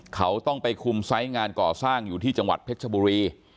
เขาต้องไปคุมไซส์งานก่อสร้างอยู่ที่จังหวัดเพชรชบุรี